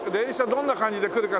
どんな感じで来るか